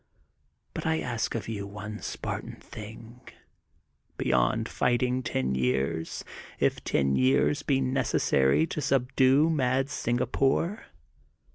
But I ask of yon one Spartan thing, beyond fight ing ten years— if ten years be necessary to subdue mad Singapore.